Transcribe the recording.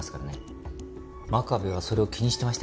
真壁はそれを気にしてましてね。